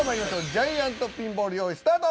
ジャイアントピンボール用意スタート。